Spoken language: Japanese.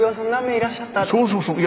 そうそうそう。